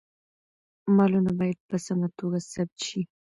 مالونه باید په سمه توګه ثبت شي.